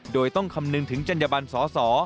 โดยต้องคำนึงถึงจัญญบันสอสอ